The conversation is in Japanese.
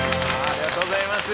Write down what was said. ありがとうございます。